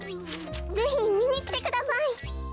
ぜひみにきてください！